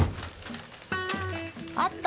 あった？